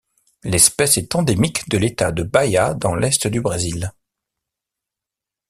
L'espèce est endémique de l'État de Bahia dans l'est du Brésil.